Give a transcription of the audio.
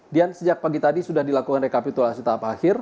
dian sejak pagi tadi sudah dilakukan rekapitulasi tahap akhir